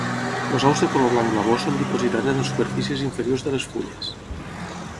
Els ous de color blanc blavós són dipositats en les superfícies inferiors de les fulles.